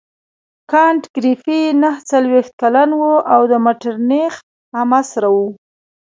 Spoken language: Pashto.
کانت ګریفي نهه څلوېښت کلن وو او د مټرنیخ همعصره وو.